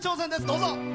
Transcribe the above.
どうぞ！